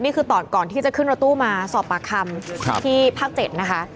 นี่คือตอนก่อนที่จะขึ้นรถตู้มาสอบปากคำที่ภาค๗นะคะ